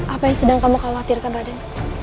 apa yang sedang kamu khawatirkan raden